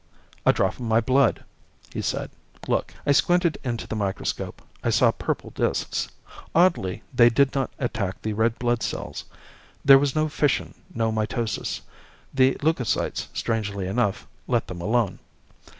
"A drop of my blood," he said. "Look." I squinted into the microscope. I saw purple discs. Oddly, they did not attack the red blood cells. There was no fission, no mitosis. The leucocytes, strangely enough, let them alone.